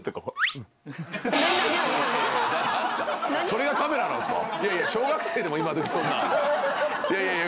それがカメラなんすか？